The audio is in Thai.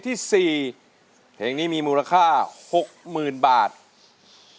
เปรียบความรักที่เหมือนมน